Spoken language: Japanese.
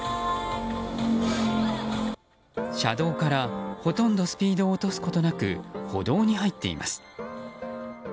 車道から、ほとんどスピードを落とすことなく歩道に入っています。